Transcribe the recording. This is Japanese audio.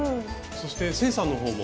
そして清さんのほうも。